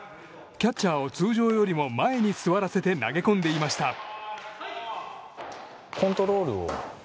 キャッチャーを通常よりも前に座らせて投げ込んでいました。